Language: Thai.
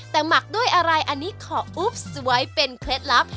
แต่หมักด้วยอะไรอันนี้ขออุ๊บไว้เป็นเคล็ดลับ